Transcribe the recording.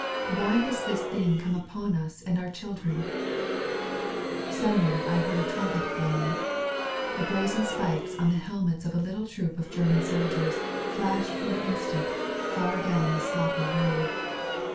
Why has this thing come upon us and our chUdrenf Somewhere I heard a trumpet blown. The brazen spikes on the helmets of a little troop of German soldiers flashed for an instant, far down the sloppy road.